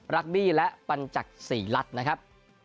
รักดีและปันจักรสี่ลัดนะครับ